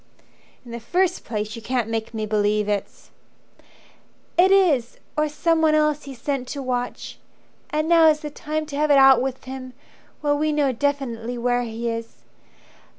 "In the first place you can't make me believe it's " "It is or someone else he's sent to watch. And now's the time to have it out with him While we know definitely where he is.